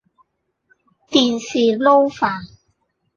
電視撈飯